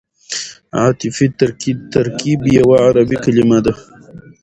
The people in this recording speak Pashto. عطفي ترکیب یوه عربي کلیمه ده.